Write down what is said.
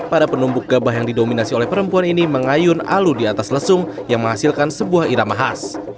para penumbuk gabah yang didominasi oleh perempuan ini mengayun alu di atas lesung yang menghasilkan sebuah irama khas